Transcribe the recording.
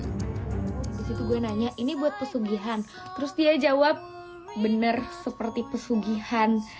habis itu gue nanya ini buat pesugihan terus dia jawab bener seperti pesugihan